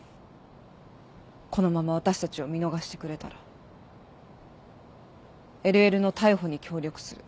このまま私たちを見逃してくれたらＬＬの逮捕に協力する。